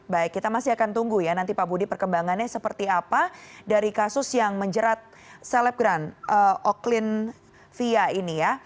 baik kita masih akan tunggu ya nanti pak budi perkembangannya seperti apa dari kasus yang menjerat selebgram oklin via ini ya